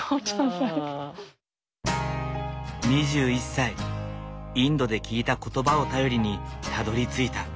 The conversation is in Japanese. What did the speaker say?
２１歳インドで聞いた言葉を頼りにたどりついた。